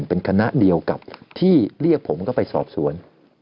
เป็นคณะเดียวกับที่เรียกผมเข้าไปสอบสวน